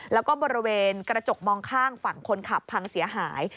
แล้วก็บริเวณกระจกมองข้างฝั่งคนขับพังเสียหาย